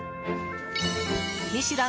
「ミシュラン」